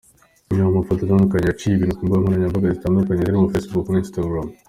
Reba amafoto atandukanye yaciye ibintu ku mbuga nkoranyambaga zitandukanye zirimo facebook ,na Instagram.